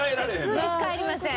数日帰りません